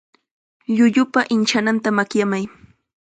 Llullupa inchananta makyamay.